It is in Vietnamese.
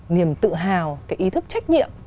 niềm tự hào cái ý thức trách nhiệm